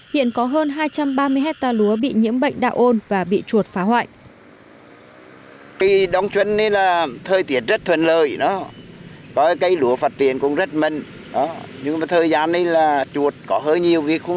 hiện có hơn hai trăm ba mươi hectare lúa bị nhiễm bệnh đạo ôn và bị chuột phá hoại